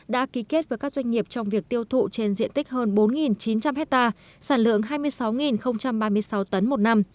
đã ký kết với các doanh nghiệp trong việc tiêu thụ trên diện tích hơn bốn chín trăm linh hectare sản lượng hai mươi sáu ba mươi sáu tấn một năm